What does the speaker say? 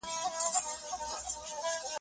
لکه ښوونکي راښووله د ګلونو ژبه.